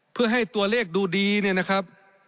เพื่อให้ตัวเลขดูดีเนี่ยนะครับ